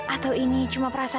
atau ini cuma sebuah kejadian